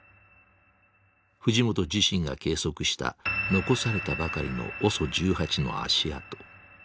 藤本自身が計測した残されたばかりのＯＳＯ１８の足跡。